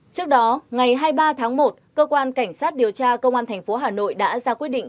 trước đó ngày hai mươi ba tháng một cơ quan cảnh sát điều tra công an thành phố hà nội đã ra quyết định